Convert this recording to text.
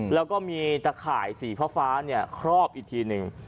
แล้วก็มีตะข่ายสีฟ้าครอบอีกทีหนึ่ง